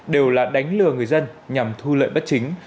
đều là đánh lừa người dân nhằm thu lợi bất chính